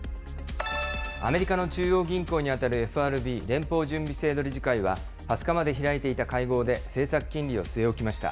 アメリカの中央銀行に当たるＦＲＢ・連邦準備制度理事会は、２０日まで開いていた会合で政策金利を据え置きました。